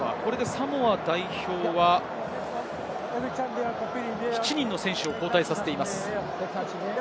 サモア代表は７人の選手を交代させています。